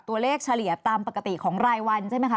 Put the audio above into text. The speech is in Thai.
เฉลี่ยตามปกติของรายวันใช่ไหมคะ